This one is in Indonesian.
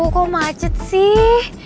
aduh kok macet sih